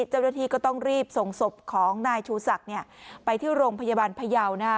เจ้าหน้าที่ก็ต้องรีบส่งศพของนายชูศักดิ์ไปที่โรงพยาบาลพยาว